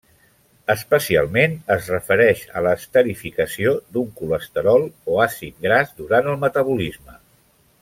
Especialment es refereix a l'esterificació d'un colesterol o àcid gras durant el metabolisme.